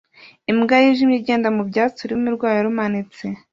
Imbwa yijimye igenda mu byatsi ururimi rwayo rumanitse